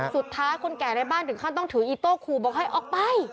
สุดท้าคนแก่ในบ้านถึงข้าต้องถืออีโต้คูบอกให้ออกไป